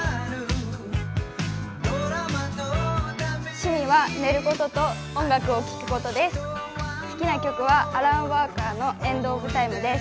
趣味は寝ることと、音楽を聴くことです。